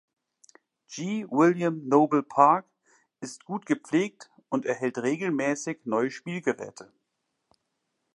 G. William Noble Park ist gut gepflegt und erhält regelmäßig neue Spielgeräte.